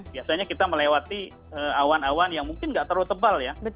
biasanya kita melewati awan awan yang mungkin nggak terlalu tebal ya